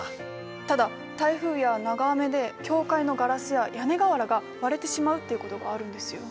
ただ台風や長雨で教会のガラスや屋根瓦が割れてしまうっていうことがあるんですよ。